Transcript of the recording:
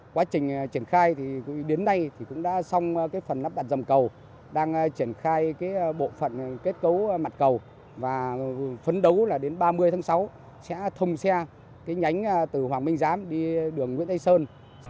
quá trình triển khai đến nay cũng đã xong phần lắp đặt dòng cầu đang triển khai bộ phần kết cấu mặt cầu và phấn đấu đến ba mươi tháng sáu sẽ thông xe nhánh từ hoàng minh giám đi đường nguyễn tây sơn